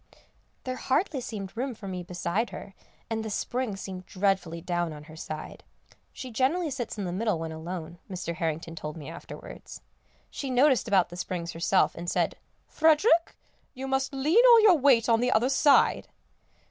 There hardly seemed room for me beside her, and the springs seemed dreadfully down on her side. She generally sits in the middle when alone, Mr. Harrington told me afterwards. She noticed about the springs herself, and said, "Frederick, you must lean all your weight on the other side."